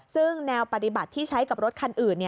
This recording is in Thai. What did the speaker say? ซึ่งแนวปฏิบัติที่ใช้กับรถคันอื่น